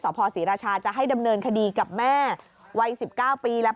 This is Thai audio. สภศีรชาจะให้ดำเนินคดีกับแม่วัยสิบเก้าปีและ